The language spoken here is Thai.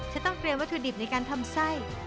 จะต้องเตรียมวัตถุดิบในการทำไส้